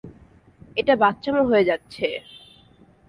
এটা বাচ্চামো হয়ে যাচ্ছে!